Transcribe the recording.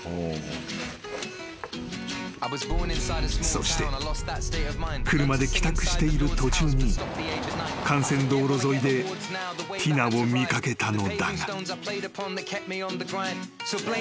［そして車で帰宅している途中に幹線道路沿いでティナを見掛けたのだが］